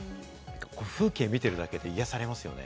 風景見てるだけで癒やされますよね。